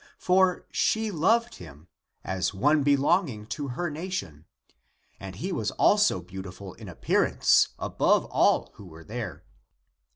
For she loved him as one belonging to her nation, and he was also beau tiful in appearance above all who were there.